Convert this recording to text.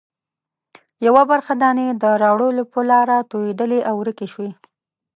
یوه برخه دانې د راوړلو په لاره توېدلې او ورکې شوې.